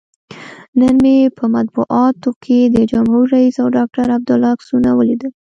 نن مې په مطبوعاتو کې د جمهور رئیس او ډاکتر عبدالله عکسونه ولیدل.